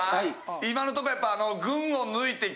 今のとこやっぱ。